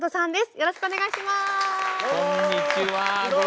よろしくお願いします。